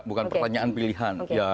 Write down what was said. bukan pertanyaan pilihan